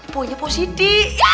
pokoknya pak siti